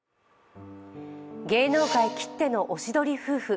芸能界きってのおしどり夫婦。